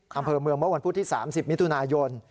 อำเภอเมืองเมื่อวันพุธที่๓๐มิถุนายน